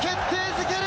づける